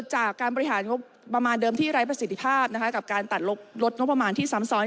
จากการบริหารงบประมาณเดิมที่ไร้ประสิทธิภาพกับการตัดลดงบประมาณที่ซ้ำซ้อน